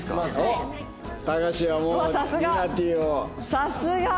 さすが！